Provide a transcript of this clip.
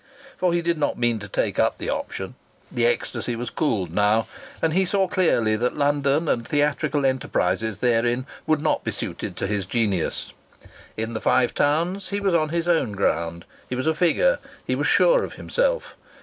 For he did not mean to take up the option. The ecstasy was cooled now and he saw clearly that London and theatrical enterprises therein would not be suited to his genius. In the Five Towns he was on his own ground; he was a figure; he was sure of himself.